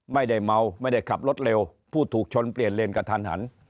ไม่ได้เมาไม่ได้ขับรถเร็วผู้ถูกชนเปลี่ยนเลนกระทันหัน